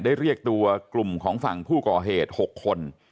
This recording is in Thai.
เรียกตัวกลุ่มของฝั่งผู้ก่อเหตุ๖คน